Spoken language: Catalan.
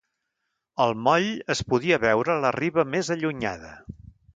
El moll es podia veure a la riba més allunyada.